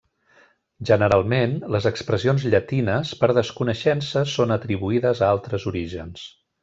Generalment, les expressions llatines, per desconeixença són atribuïdes a altres orígens.